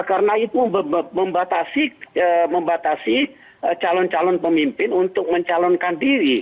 karena itu membatasi calon calon pemimpin untuk mencalonkan diri